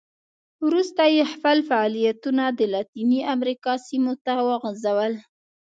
وروسته یې خپل فعالیتونه د لاتینې امریکا سیمو ته وغځول.